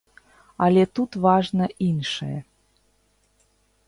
Але тут важна іншае.